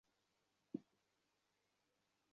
তুমি না গেলে স্কুল বন্ধ হয়ে যাবে না-কি?